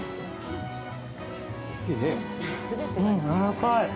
うん、やわらかい。